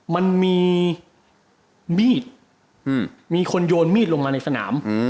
มันมีมีดมีคนโยนมีดลงมาในสนาม